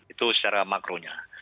itu secara makronya